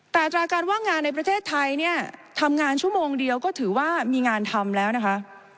แต่อัตราการว่างงานในประเทศไทยเนี่ยทำงานชั่วโมงเดียวก็ถือว่ามีงานทำแล้วนะคะ